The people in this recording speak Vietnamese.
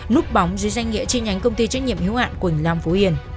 núp bóng dưới danh nghĩa chi nhánh công ty trách nhiệm hiếu hạn quỳnh long phú yên